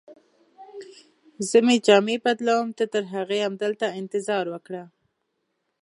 زه مې جامې بدلوم، ته ترهغې همدلته انتظار وکړه.